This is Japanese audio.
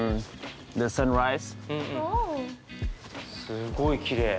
すごいきれい。